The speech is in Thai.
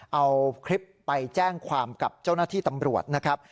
เอาคลิปไปแจ้งความกับเจ้าหน้าที่ตำรวจนะครับ